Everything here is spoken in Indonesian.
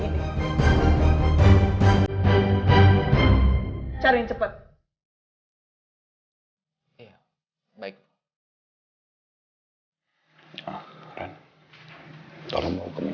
yang bisa profesional dan tidak unggah kayak gini